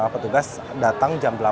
petugas datang jam delapan